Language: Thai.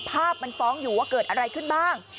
ภาพมันฟ้องอยู่ว่าเกิดอะไรขึ้นบ้าง